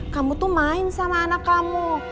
kamu tuh main sama anak kamu